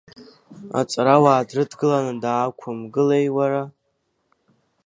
Аҵарауаа дрыдгыланы даақәымгылеи, уара!